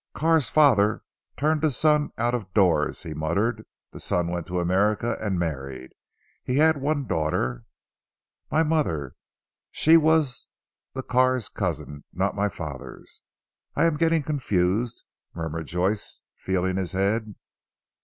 "Carr's father turned a son out of doors," he muttered "the son went to America and married. He had one daughter " "My mother. She was the Carr's cousin, not my father's. I am getting confused," murmured Joyce feeling his head.